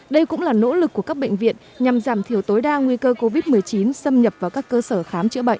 đây cũng là nỗ lực của các bệnh viện nhằm giảm thiểu tối đa nguy cơ covid một mươi chín xâm nhập vào các cơ sở khám chữa bệnh